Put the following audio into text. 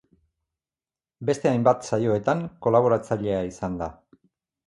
Beste hainbat saioetan kolaboratzailea izan da.